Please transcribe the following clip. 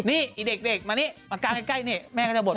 นี่อิเด็กกลางมานี่แม่ก็จะบ่น